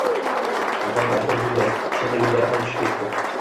Nihoyat atirgullar, chinnigullar ham tushib ketdi.